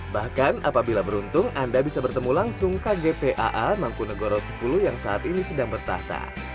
bahkan apabila beruntung anda bisa bertemu langsung kgpaa mangkunegoro sepuluh yang saat ini sedang bertahta